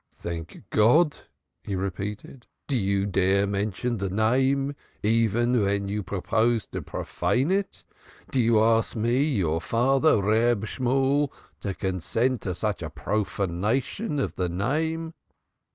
"Thank God!" he repeated. "Do you dare mention the Name even when you propose to profane it? Do you ask me, your father, Reb Shemuel, to consent to such a profanation of the Name?"